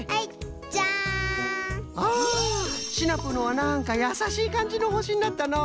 あシナプーのはなんかやさしいかんじのほしになったのう。